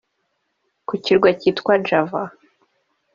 ku kirwa cyitwa Java